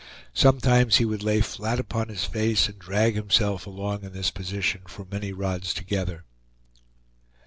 Sometimes he would lay flat upon his face, and drag himself along in this position for many rods together.